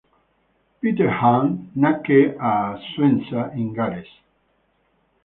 Pete Ham nacque a Swansea, in Galles.